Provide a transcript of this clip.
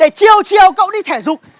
để chiêu chiêu cậu đi thể dục